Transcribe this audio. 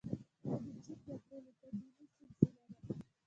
• دا د چین تر ټولو قدیمي سلسله ده.